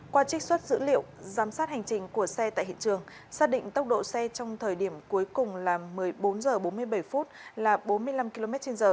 qua trích xuất dữ liệu giám sát hành trình của xe tại hiện trường xác định tốc độ xe trong thời điểm cuối cùng là một mươi bốn h bốn mươi bảy là bốn mươi năm km trên giờ